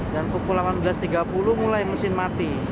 dan pukul delapan belas tiga puluh mulai mesin mati